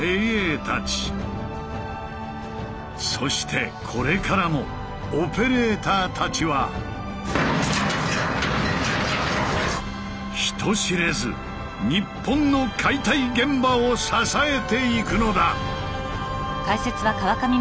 そしてこれからもオペレーターたちは人知れず日本の解体現場を支えていくのだ。